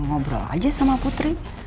mau nyobrol aja sama putri